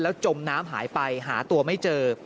จมน้ำหายไปหาตัวไม่เจอ